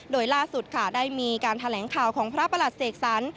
โดยล่าสุดค่ะได้มีการแถลงข่าวของพระประหลัดเสกสรร